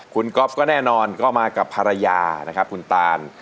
คุณก๊อฟก็แน่นอนก็มากับภรรยานะครับคุณตาน